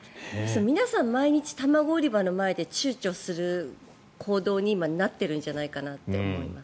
皆さん毎日卵売り場の前で躊躇する行動に今なっているんじゃないかなって思います。